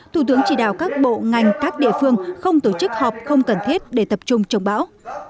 thủ tướng chỉ đạo các bộ ngành các địa phương không tổ chức họp không cần thiết để tập trung chống bão